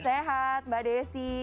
sehat mbak desi